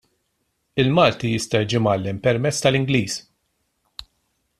Il-Malti jista' jiġi mgħallem permezz tal-Ingliż.